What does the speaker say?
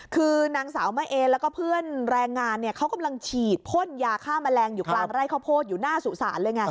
คือนางสาวมะเอแล้วก็เพื่อนแรงงานเนี่ยเขากำลังฉีดพ่นยาฆ่าแมลงอยู่กลางไร่ข้าวโพดอยู่หน้าสุสานเลยไง